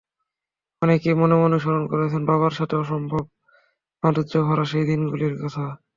অনেকে মনে মনে স্মরণ করেছেন বাবার সাথে অসম্ভব মাধুর্যভরা সেই দিনগুলির কথা।